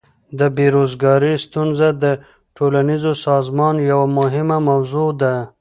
د بیروزګاری ستونزه د ټولنیز سازمان یوه مهمه موضوع ده.